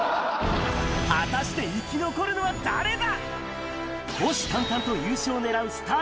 果たして、生き残るのは誰だ？